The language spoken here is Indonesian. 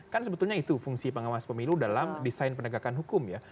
kan sebetulnya itu fungsi pengawas pemilu dalam desain penegakan hukum ya